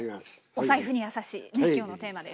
お財布にやさしいね今日のテーマです。